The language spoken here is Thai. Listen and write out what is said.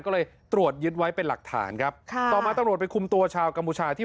ก็เลยตรวจยึดไว้เป็นหลักฐานครับค่ะต่อมาตำรวจไปคุมตัวชาวกัมพูชาที่